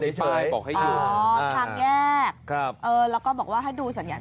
อ๋อทางแยกแล้วก็บอกว่าถ้าดูสัญญาณ